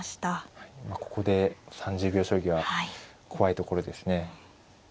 ここで３０秒将棋は怖いところですね。